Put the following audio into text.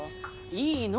いいの！